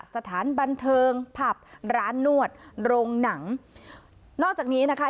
สถานบันเทิงผับร้านนวดโรงหนังนอกจากนี้นะคะ